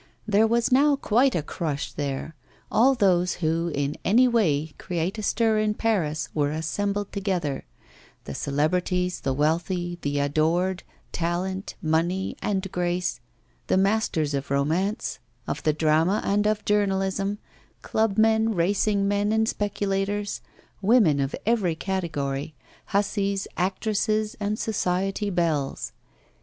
There was now quite a crush there. All those who in any way create a stir in Paris were assembled together the celebrities, the wealthy, the adored, talent, money and grace, the masters of romance, of the drama and of journalism, clubmen, racing men and speculators, women of every category, hussies, actresses and society belles.